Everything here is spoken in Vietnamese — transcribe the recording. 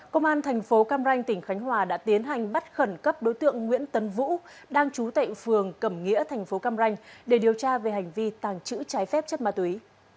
công an tp cam ranh tỉnh khánh hòa đã tiến hành bắt khẩn cấp đối tượng nguyễn tấn vũ đang trú tại phường cầm nghĩa tp cam ranh để điều tra về hành vi tàng trữ trái phép chất ma túy